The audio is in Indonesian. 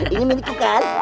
ini mimpi tuh kan